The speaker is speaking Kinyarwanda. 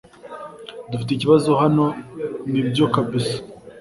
Dufite ikibazo hano nibyo kabisa